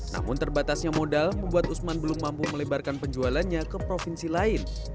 namun terbatasnya modal membuat usman belum mampu melebarkan penjualannya ke provinsi lain